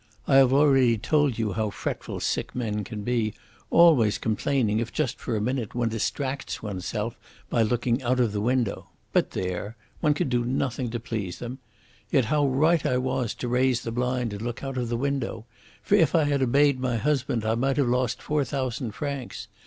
I have already told you how fretful sick men can be, always complaining if just for a minute one distracts oneself by looking out of the window. But there! One can do nothing to please them. Yet how right I was to raise the blind and look out of the window! For if I had obeyed my husband I might have lost four thousand francs.